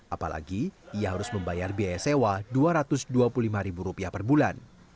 apalagi ia harus membayar biaya sewa rp dua ratus dua puluh lima per bulan